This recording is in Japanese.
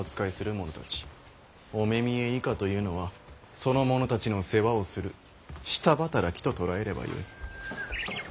御目見以下というのはその者たちの世話をする下働きと捉えればよい。